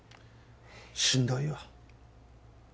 しんどいよ。